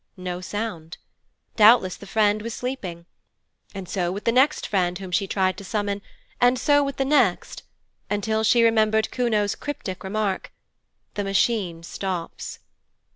No sound: doubtless the friend was sleeping. And so with the next friend whom she tried to summon, and so with the next, until she remembered Kuno's cryptic remark, 'The Machine stops'.